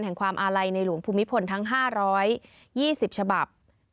ความอาลัยในหลวงภูมิพลทั้ง๕๒๐ฉบับ